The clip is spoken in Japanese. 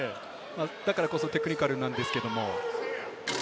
だからこそテクニカルなんですけれども。